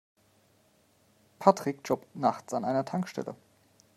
Patrick jobbt nachts an einer Tankstelle.